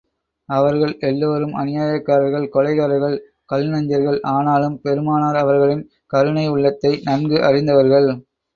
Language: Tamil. அவர்கள் எல்லோரும் அநியாயக்காரர்கள், கொலைகாரர்கள், கல் நெஞ்சர்கள் ஆனாலும் பெருமானார் அவர்களின் கருணை உளளத்தை நன்கு அறிந்தவர்கள்.